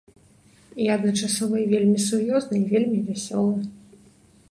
Я адначасова і вельмі сур'ёзны і вельмі вясёлы.